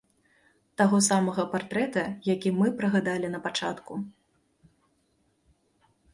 Таго самага партрэта, які мы прыгадалі напачатку.